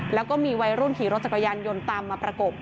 แล้วก็มีวัยรุ่นขี่รถจักรยานยนต์ตามมาประกบ